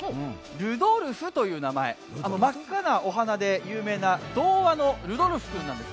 ルドルフという名前真っ赤なお鼻で有名な童話のルドルフ君なんです。